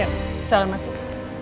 yuk setelah masuk